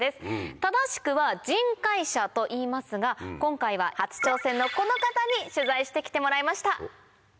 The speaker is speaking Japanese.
正しくは。といいますが今回は初挑戦のこの方に取材してきてもらいました。